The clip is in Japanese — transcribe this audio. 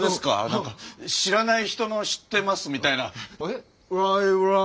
なんか知らない人の知ってますみたいな。